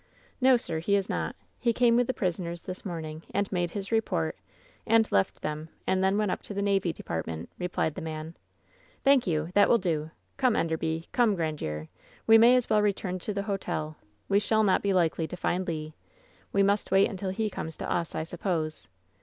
"No, sir; he is not. He came with the prisoners this morning and made his report, and left them, and then went up to the navy department," replied the man. "Thank you I That will do ! Come, Enderby ! Come, Grandiere! We may as well return to the hotel! We shall not be likely to find Le! We must wait until he comes to us, I suppose!